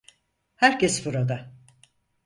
Herkes burada.